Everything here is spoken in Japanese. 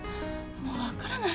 もう分からない